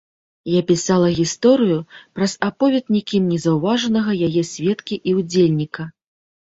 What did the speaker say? Я пісала гісторыю праз аповед нікім не заўважанага яе сведкі і ўдзельніка.